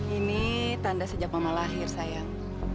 ini tanda sejak mama lahir sayang